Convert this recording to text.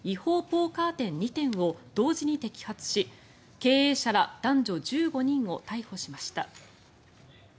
ポーカー店２店を同時に摘発し経営者ら男女１５人を逮捕しました。